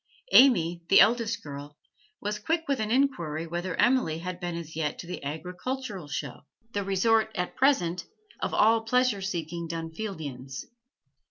Amy, the eldest girl, was quick with an inquiry whether Emily had been as yet to the Agricultural Show, the resort at present of all pleasure seeking Dunfieldians.